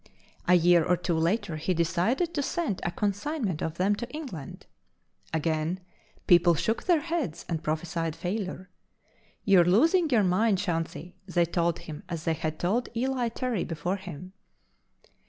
A year or two later, he decided to send a consignment of them to England. Again, people shook their heads and prophesied failure. "You're losing your mind, Chauncey," they told him as they had told Eli Terry before him.